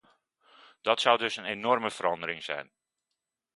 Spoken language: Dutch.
Dat zou dus een enorme verandering zijn.